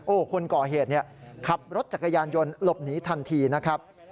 คนก่อเหตุขับรถจักรยานยนต์หลบหนีทันทีนะครับ